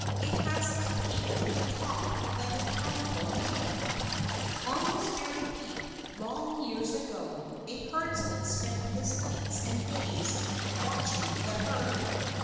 It has a peak at the top like a conical nightcap. On this very peak, long years ago, a herdsman spent his nights and days watching the herd.